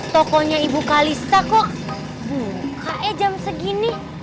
tokonya ibu kalista kok kayaknya jam segini